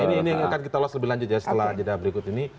ini akan kita ulas lebih lanjut ya setelah jeda berikut ini